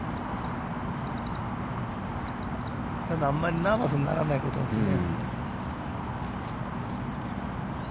ただ、あんまりナーバスにならないことですね。